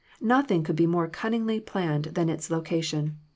Nothing could be more cunningly planned than its location.